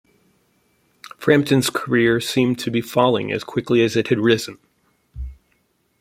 Frampton's career seemed to be falling as quickly as it had risen.